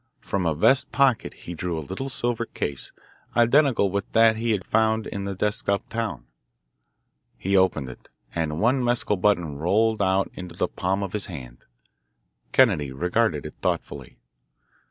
From a vest pocket he drew a little silver case, identical with that he had found in the desk up town. He opened it, and one mescal button rolled out into the palm of his hand. Kennedy regarded it thoughtfully.